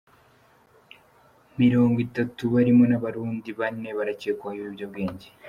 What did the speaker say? Mirongwitatu barimo n’Abarundi bane barakekwaho ibiyobyabwenge